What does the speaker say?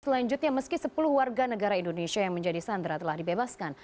selanjutnya meski sepuluh warga negara indonesia yang menjadi sandera telah dibebaskan